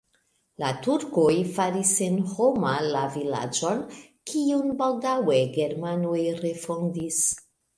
La turkoj faris senhoma la vilaĝon, kiun baldaŭe germanoj refondis.